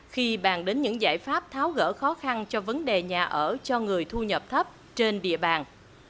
khi bàn đến những giải pháp tháo gỡ khó khăn cho vấn đề nhà ở cho người thu nhập thấp trên địa bàn